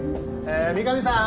三上さん